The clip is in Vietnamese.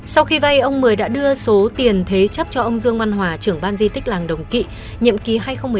sau khi vay ông mười đã đưa số tiền thế chấp cho ông dương văn hòa trưởng ban di tích làng đồng kỵ nhiệm ký hai nghìn một mươi năm hai nghìn hai mươi